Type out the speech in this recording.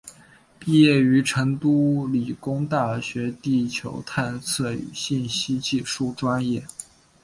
毕业于成都理工大学地球探测与信息技术专业。